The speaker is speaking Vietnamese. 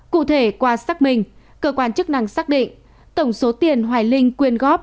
cụ thể qua xác minh cơ quan chức năng xác định tổng số tiền hoài linh quyên góp